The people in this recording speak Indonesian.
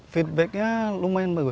feedbacknya lumayan bagus